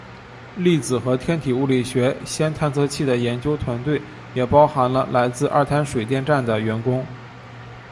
粒子和天体物理学氙探测器的研究团队也包含了来自二滩水电站的员工。